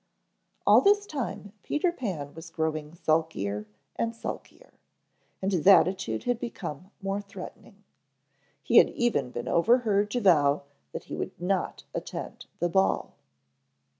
All this time Peter Pan was growing sulkier and sulkier, and his attitude had become more threatening. He had even been overheard to vow that he would not attend the ball.